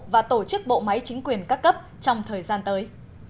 và tổ chức bộ máy chính quyền các cấp trong thời gian tới